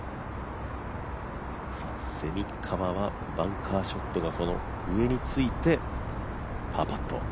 蝉川はバンカーショットが上についてパーパット。